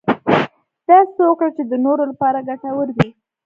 داسې څه وکړه چې د نورو لپاره ګټور وي .